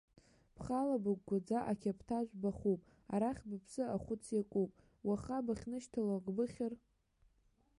Бхала быгәгәаӡа ақьаԥҭажә бахуп, арахь быԥсы ахәыц иакуп, уаха бахьнышьҭало ак быхьыр?